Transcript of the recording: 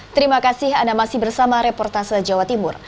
terima kasih anda masih bersama reportase jawa timur